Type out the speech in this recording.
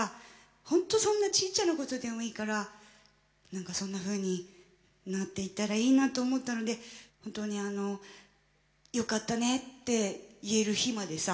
ほんとそんなちっちゃなことでもいいから何かそんなふうになっていったらいいなと思ったので本当によかったねって言える日までさ